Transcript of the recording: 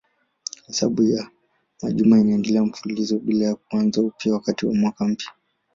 Hesabu ya majuma inaendelea mfululizo bila ya kuanza upya wakati wa mwaka mpya.